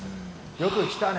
よく来たね！